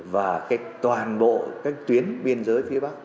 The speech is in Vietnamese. và toàn bộ tuyến biên giới phía bắc